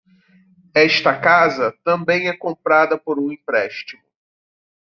Esta casa também é comprada por um empréstimo.